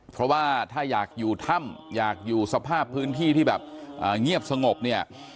เพราะว่าถ้าอยากอยู่ถ้ำอยากอยู่สภาพพื้นที่ที่แบบเงียบสงบเนี่ย